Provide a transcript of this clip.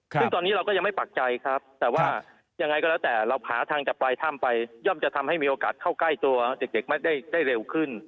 ซึ่งตอนนี้เราก็ยังไม่ปักใจครับแต่ว่ายังไงก็แล้วแต่เราหาทางจากปลายถ้ำไปย่อมจะทำให้มีโอกาสเข้าใกล้ตัวเด็กได้เร็วขึ้น